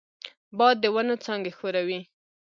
باد د ونو څانګې ښوروي